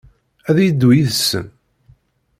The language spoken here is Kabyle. Ad d-yeddu yid-sen?